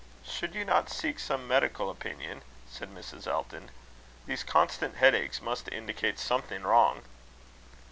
"Should you not seek some medical opinion?" said Mrs. Elton. "These constant headaches must indicate something wrong."